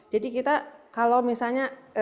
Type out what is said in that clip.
jadi kita kalau misalnya